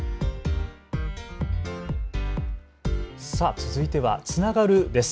続いてはつながるです。